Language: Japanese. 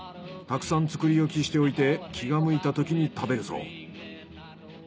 たくさん作り置きしておいて気が向いたときに食べるそう。